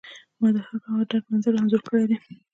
ما د هر غم او درد منظر انځور کړی دی